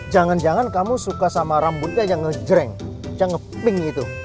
jangan jangan kamu suka sama rambutnya yang ngejreng yang ngeping gitu